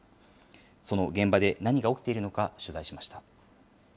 その現場で何が起きているのか、取材しました。